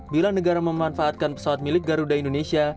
bila negara memanfaatkan pesawat milik garuda indonesia